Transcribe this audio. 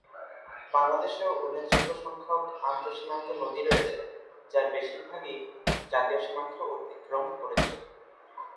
বাংলাদেশেও উল্লেখযোগ্য সংখ্যক আন্তঃসীমান্ত নদী রয়েছে যার বেশিরভাগই জাতীয় সীমান্ত অতিক্রম করেছে।